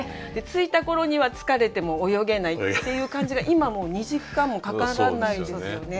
着いた頃には疲れて泳げないっていう感じが今もう２時間もかからないですよね。